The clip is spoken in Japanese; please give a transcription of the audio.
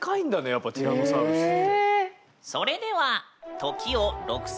やっぱティラノサウルスって。